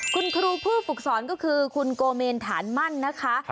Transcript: คุณครูผู้ฝึกสอนก็คือคุณโกเมนฐานมั่นนะคะ